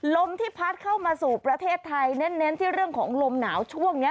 ลมที่พัดเข้ามาสู่ประเทศไทยเน้นที่เรื่องของลมหนาวช่วงนี้